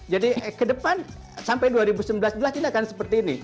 jadi ke depan sampai dua ribu sembilan belas juga akan seperti ini